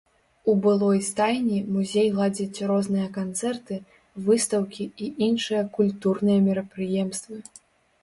У былой стайні музей ладзіць розныя канцэрты, выстаўкі і іншыя культурныя мерапрыемствы.